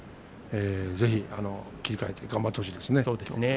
ぜひ切り替えて頑張ってほしいですね。